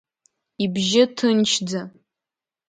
Ибжьы ҭынчӡа…